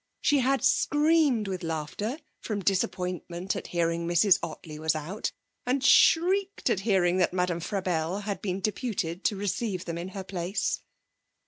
She had screamed with laughter from disappointment at hearing Mrs Ottley was out; and shrieked at hearing that Madame Frabelle had been deputed to receive them in her place.